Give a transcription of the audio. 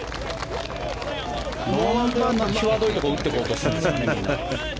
際どいところ打っていこうとするんですね。